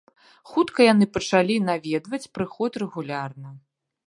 Хутка яны пачалі наведваць прыход рэгулярна.